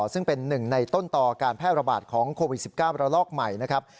ซึ่งเป็นหนึ่งในต้นต่อการแพร่ระบาดของโควิด๑๙ระลอกใหม่นะครับ